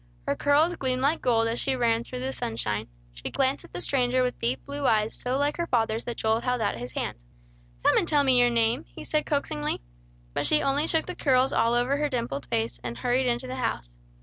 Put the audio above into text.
Her curls gleamed like gold as she ran through the sunshine. She glanced at the stranger with deep blue eyes so like her father's that Joel held out his hand. "Come and tell me your name," he said coaxingly. But she only shook the curls all over her dimpled face, and hurried into the house.